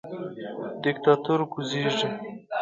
دیکتاتور کوزیږي